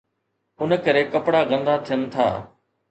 ان ڪري ڪپڙا گندا ٿين ٿا.